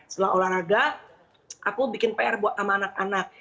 setelah olahraga aku bikin pr buat sama anak anak